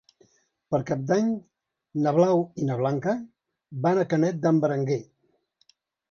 Per Cap d'Any na Blau i na Blanca van a Canet d'en Berenguer.